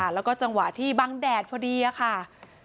แล้วก็จังหวะที่บังแดดพอดีค่ะ